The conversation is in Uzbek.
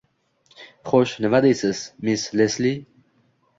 Xo`sh, nima deysiz, miss Lesli